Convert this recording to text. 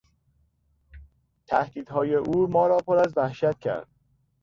تهدیدهای او ما را پر از وحشت کرد.